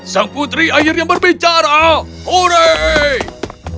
sang putri akhirnya berbicara orang